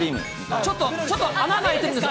ちょっと、ちょっと、穴が開いてるんです。